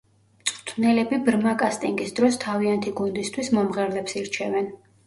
მწვრთნელები ბრმა კასტინგის დროს თავიანთი გუნდისთვის მომღერლებს ირჩევენ.